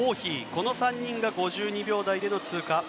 この３人が５２秒台での通過。